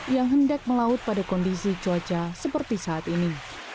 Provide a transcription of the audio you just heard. yang hendak melaut pada kondisi cuaca seperti saat ini